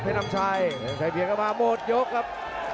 พี่น้ำชัยเพลงกลางมาหมดยกครับ